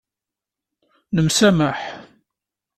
Nemsamaḥ.